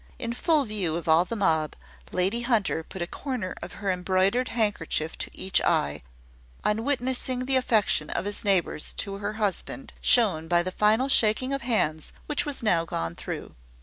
In full view of all the mob, Lady Hunter put a corner of her embroidered handkerchief to each eye, on witnessing the affection of his neighbours to her husband, shown by the final shaking of hands which was now gone through.